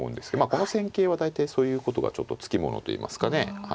この戦型は大体そういうことがちょっと付き物といいますかね。